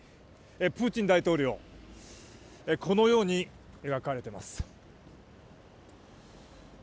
プーチン大統領、このように描かれています。